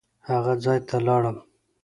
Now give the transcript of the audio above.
هغه ځای ته لاړم.